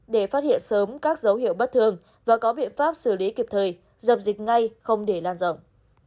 để phát hiện sớm các dấu hiệu bất thường và có biện pháp xử lý kịp thời dập dịch ngay không để lan rộng